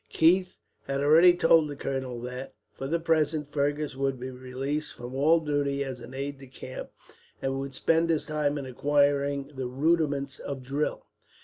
Keith had already told the colonel that, for the present, Fergus would be released from all duty as an aide de camp, and would spend his time in acquiring the rudiments of drill.